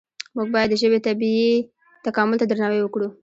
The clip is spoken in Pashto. موږ باید د ژبې طبیعي تکامل ته درناوی وکړو.